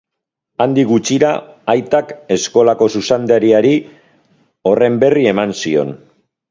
Handik gutxira, aitak eskolako zuzendariari horren berri eman zion.